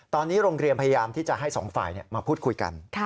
ตอนนี้โรงเรียนพยายามที่จะให้สองฝ่ายมาพูดคุยกัน